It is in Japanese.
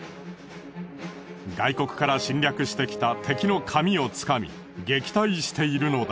外国から侵略してきた敵の髪をつかみ撃退しているのだ。